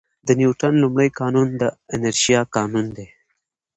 د نیوټن لومړی قانون د انرشیا قانون دی.